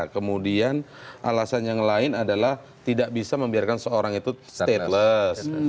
kemudian alasan yang lain adalah tidak bisa membiarkan seorang itu stateless